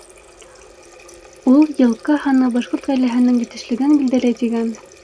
Ул, йылҡы һаны башҡорт ғаиләһенең етешлелеген билдәләй тигән.